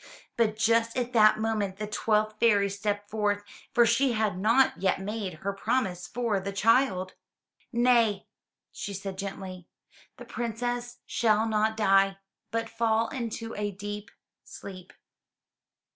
But just at that moment, the twelfth fairy stepped forth, for she had not yet made her promise for the child. "Nay, she said gently, "the Princess shall not die, but fall into a deep sleep.